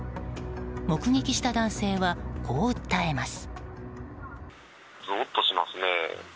目撃した男性はこう訴えます。